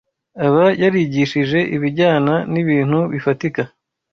aba yarigishije ibijyana n’ibintu bifatika